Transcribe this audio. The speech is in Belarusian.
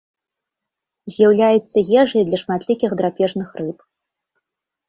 З'яўляецца ежай для шматлікіх драпежных рыб.